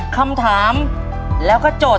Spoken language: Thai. คำถามแล้วก็โจทย์